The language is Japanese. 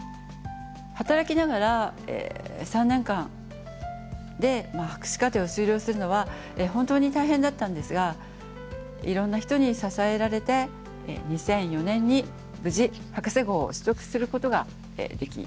働きながら３年間で博士課程を修了するのは本当に大変だったんですがいろんな人に支えられて２００４年に無事博士号を取得することができました。